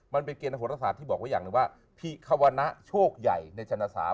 คือเกณฑ์โรคราศาสตร์ที่บอกว่าภิควะนะโชคใหญ่ในชนะษา